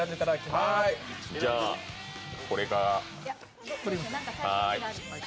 はい、じゃあこれから。